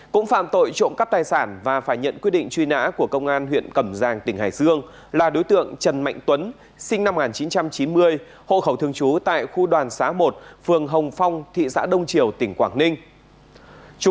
cũng phạm tội trộm cắp tài sản và phải nhận quyết định truy nã của công an huyện cẩm giang tỉnh hải dương là đối tượng trần mạnh tuấn sinh năm một nghìn chín trăm chín mươi hộ khẩu thường trú tại khu đoàn xá một phường hồng phong thị xã đông triều tỉnh quảng ninh